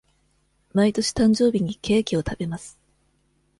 毎年誕生日にケーキを食べます。